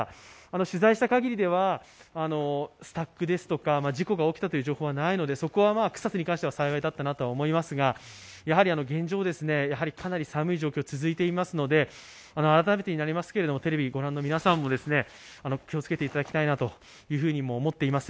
取材したかぎりでは、スタックですとか、事故が起きたという情報はないので、そこは草津に関しては幸いだったなと思いますが、現状、かなり寒い状況が続いていますので、改めてになりますけれどテレビをご覧の皆さんも、気をつけていただきたいと思っています。